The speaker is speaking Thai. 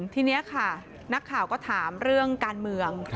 ทีนี้ค่ะนักข่าวก็ถามเรื่องการเมือง